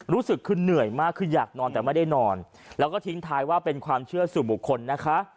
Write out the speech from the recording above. รู้สึกคือเหนื่อยมากคืออยากนอนแต่ไม่ได้นอนแล้วก็ทิ้งท้ายว่าเป็นความเชื่อสู่บุคคลนะคะ